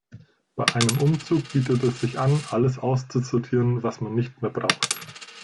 Bei einem Umzug bietet es sich an, alles auszusortieren, was man nicht mehr braucht.